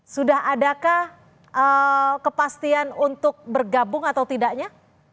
sudah adakah kepastian untuk bergabung atau tidaknya